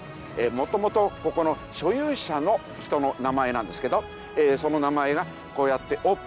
元々ここの所有者の人の名前なんですけどその名前がこうやってオープンしました。